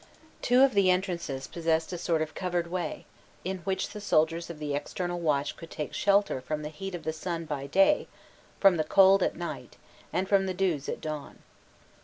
Two of the entrances possessed a sort of covered way, in which the soldiers of the external watch could take shelter from the heat of the sun by day, from the cold at night, and from the dews at dawn.